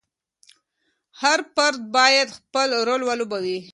هر فرد باید خپل رول ولوبوي.